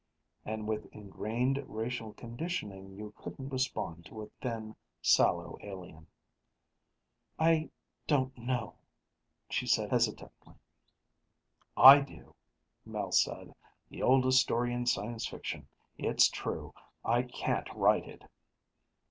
"And with ingrained racial conditioning, you couldn't respond to a thin, sallow alien." "I don't know," she said hesitantly. "I do!" Mel said. "The oldest story in science fiction; it's true; I can't write it."